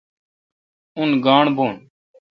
اون گاݨڈ بھو۔